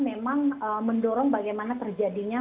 memang mendorong bagaimana terjadinya